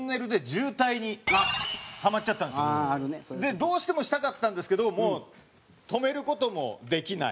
どうしてもしたかったんですけどもう止める事もできない。